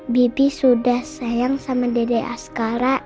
bibi sudah sayang sama dedek asgara